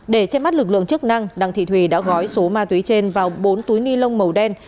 để che mắt lực lượng chức năng đặng thị thùy đã gói số ma túy trên vào bốn túi ni lông màu đen